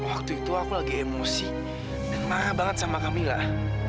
waktu itu aku lagi emosi dan marah banget sama kami lah